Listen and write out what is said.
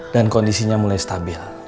dan kondisinya mulai stabil